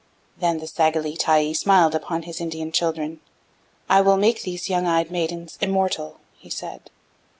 "Then the Sagalie Tyee smiled on His Indian children: 'I will make these young eyed maidens immortal,' He said.